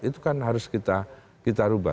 itu kan harus kita ubah